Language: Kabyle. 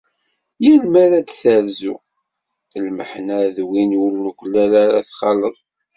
Yal mi ara d-terzu lmeḥna d win ur nuklal ara txaleḍ.